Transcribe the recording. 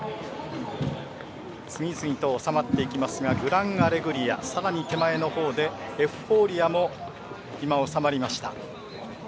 次々と収まっていきますがグランアレグリアさらに手前のほうでエフフォーリアも今、収まりました。